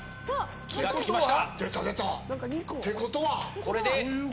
気が付きました。